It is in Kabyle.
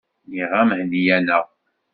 Nniɣ-am henni-aneɣ.